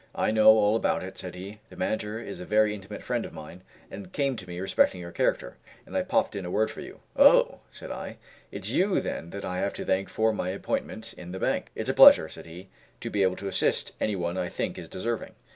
"I know all about it," said he, "the manager is a very intimate friend of mine, and came to me respecting your character, and I popped in a word for you" Oh!" said I, "it's you, then, that I have to thank for my appointment in the bank." "It's a pleasure," said he, "to be able assist any one I think is deserving."